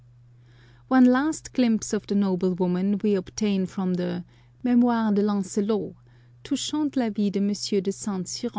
One last glimpse of the noble woman we obtain from the Mimoires de Lancelot touckant la vie de M, de Saint Cyran.